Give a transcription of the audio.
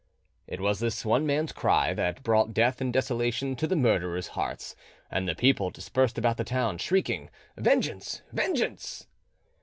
It was this one man's cry that brought death and desolation to the murderers' hearts, and the people dispersed about the town, shrieking, "Vengeance, vengeance!"